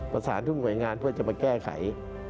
ประสานทุกหน่วยงานเพื่อจะมาแก้ไข